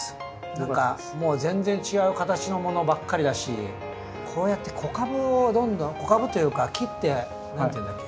何かもう全然違う形のものばっかりだしこうやって子株をどんどん子株っていうか切って何て言うんだっけ？